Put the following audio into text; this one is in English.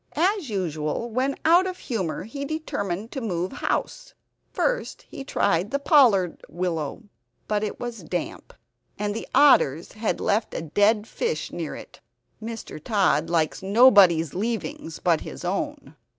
As usual, when out of humor, he determined to move house. First he tried the pollard willow, but it was damp; and the otters had left a dead fish near it. Mr. Tod likes nobody's leavings but his own.